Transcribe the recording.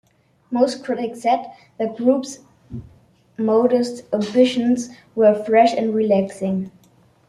Most critics said the group's modest ambitions were fresh and relaxing.